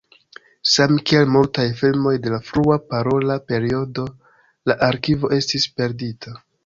Samkiel multaj filmoj de la frua parola periodo, la arkivo estis perdita.